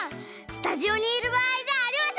スタジオにいるばあいじゃありません！